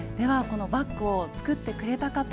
このバッグを作ってくれた方